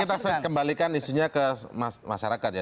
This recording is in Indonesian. kita kembalikan isunya ke masyarakat ya